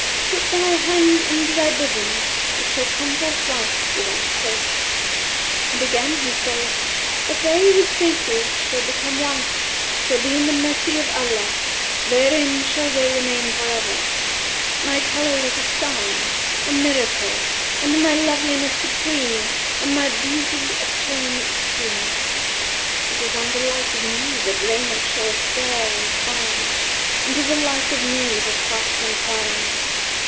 Put thy hand into thy bosom; it shall come forth white, without hurt.'[FN#358] And again He saith, But they whose faces shall become white, shall be in the mercy of Allah; therein shall they remain forever.'[FN#359] My colour is a sign, a miracle, and my loveliness supreme and my beauty a term extreme. It is on the like of me that raiment showeth fair and fine and to the like of me that hearts incline.